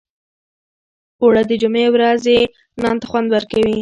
اوړه د جمعې ورځې نان ته خوند ورکوي